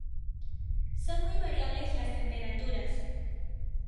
Son muy variables las temperaturas.